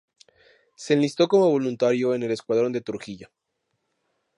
Se enlistó como voluntario en el escuadrón de Trujillo.